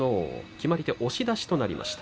決まり手、押し出しとなりました。